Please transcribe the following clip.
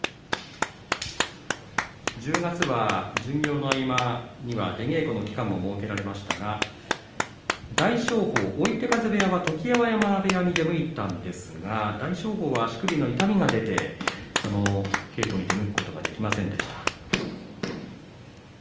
１０月は巡業の合間は出稽古の時間が設けられましたが大翔鵬、追手風部屋は常盤山部屋に出向いたんですが足首の故障から稽古に出向くことはできませんでした。